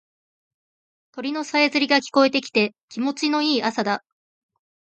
鳥のさえずりが聞こえてきて気持ちいい朝だ。